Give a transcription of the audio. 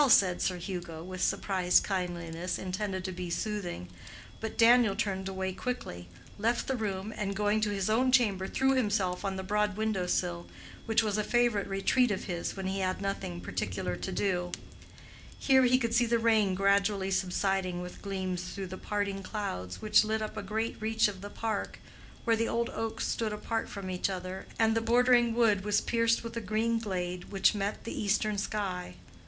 said Sir Hugo, with surprised kindliness intended to be soothing. But Daniel turned away quickly, left the room, and going to his own chamber threw himself on the broad window sill, which was a favorite retreat of his when he had nothing particular to do. Here he could see the rain gradually subsiding with gleams through the parting clouds which lit up a great reach of the park, where the old oaks stood apart from each other, and the bordering wood was pierced with a green glade which met the eastern sky.